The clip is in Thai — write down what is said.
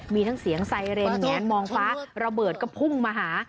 มีทั้งเสียงไซเรนแงนมองฟ้าระเบิดก็พุ่งมาหา